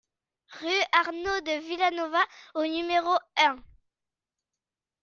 Rue Arnau de Vilanova au numéro un